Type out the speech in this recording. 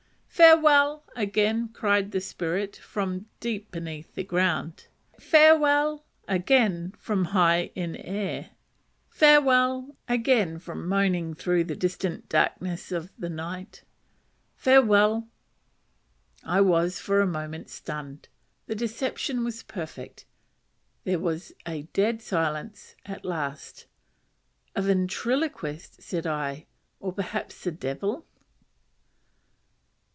"Farewell," again cried the spirit, from deep beneath the ground! "Farewell," again from high in air! "Farewell," again came moaning through the distant darkness of the night. "Farewell!" I was for a moment stunned. The deception was perfect. There was a dead silence at last. "A ventriloquist," said I "or or perhaps the devil."